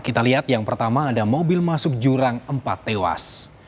kita lihat yang pertama ada mobil masuk jurang empat tewas